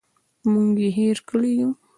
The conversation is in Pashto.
موږ یې هېر کړي یوو.